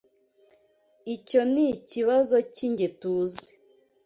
Icyo nikibazo cyingeTUZI.